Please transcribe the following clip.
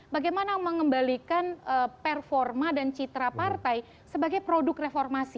bagaimana mengembalikan performa dan citra partai sebagai produk reformasi